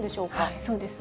そうですね。